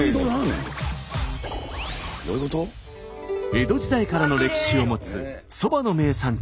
江戸時代からの歴史を持つそばの名産地